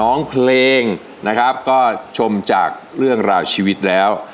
น้องเพลงนะครับก็ชมจากเรื่องราวชีวิตแล้ว